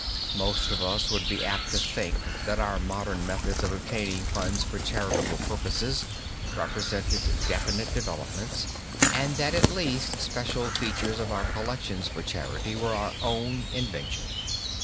Most of us would be apt to think that our modern methods of obtaining funds for charitable purposes represented definite developments, and that at least special features of our collections for charity were our own invention.